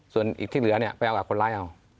ส่วนอีกที่เหลือไปเอากับคนไร้